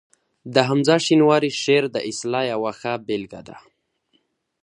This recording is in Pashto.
د حمزه شینواري شعر د اصطلاح یوه ښه بېلګه ده